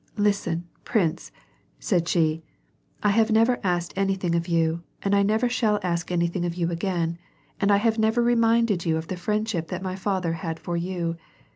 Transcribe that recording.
" Listen, prince," said she, "I have never asked anything of you, and I never shall ask anything of you again and I have never reminded you of the friendship that my father had for you.